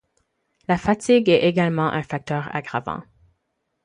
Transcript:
La fatigue est également un facteur aggravant.